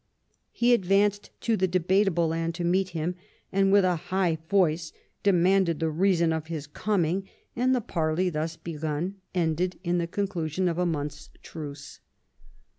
He advanced to the Debatable Land to meet him, and " with a high voice '* demanded the reason of his coming ; and the parley thus begun ended in the conclusion of a month's truce.